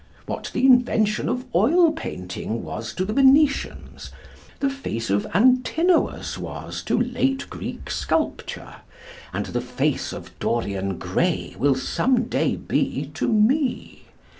What the invention of oil painting was to the Venetians, the face of Antinous was to late Greek sculpture, and the face of Dorian Gray will some day be to me.